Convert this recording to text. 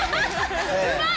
うまい！